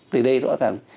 từ đây rõ ràng